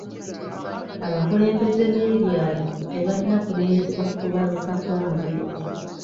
Abakulembeze b'ebyalo tebalina kunenyezebwa ku kubaluka kw'omuliro.